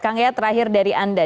kang ya terakhir dari anda